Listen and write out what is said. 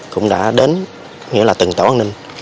cũng đã đến nghĩa là từng tổ an ninh